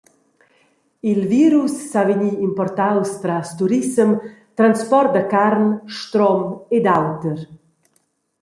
Il virus sa vegnir importaus tras turissem, transport da carn, strom ed auter.